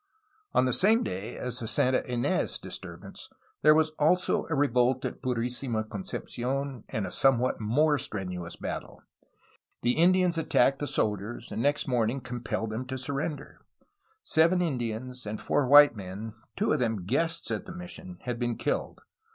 On the same day as the Santa In^s disturbance there was also a revolt at Purfsima Concepci6n and a somewhat more strenuous battle. The Indians attacked the soldiers, and next morning compelled them to surrender. Seven Indians and four white men (two of them guests at the mission) had been killed.